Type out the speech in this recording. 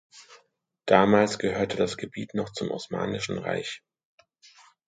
Damals gehörte das Gebiet noch zum Osmanischen Reich.